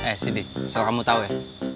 eh sindi misalnya kamu tau ya